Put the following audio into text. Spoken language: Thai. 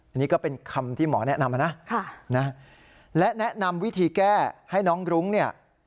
อันนี้ก็เป็นคำที่หมอแนะนำมานะและแนะนำวิธีแก้ให้น้องรุ้งเนี่ย